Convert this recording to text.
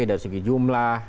dari segi jumlah